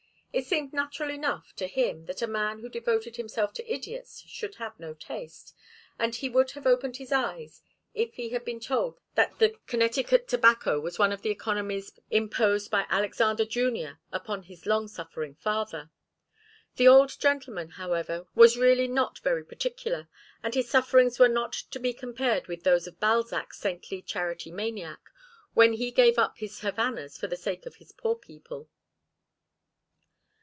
It seemed natural enough to him that a man who devoted himself to idiots should have no taste, and he would have opened his eyes if he had been told that the Connecticut tobacco was one of the economies imposed by Alexander Junior upon his long suffering father. The old gentleman, however, was really not very particular, and his sufferings were not to be compared with those of Balzac's saintly charity maniac, when he gave up his Havanas for the sake of his poor people.